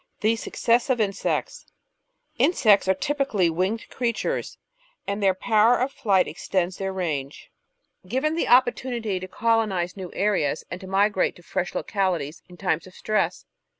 The Success of Insects Insects are typically winged creatures, and their power of flight extends their range, giving the opportunity to colonise 505 504 The Outline of Science new areas and to migrate to fresh localities in times of stress.